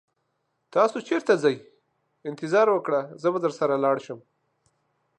تاسو چیرته ځئ؟ انتظار وکړه، زه به درسره راشم.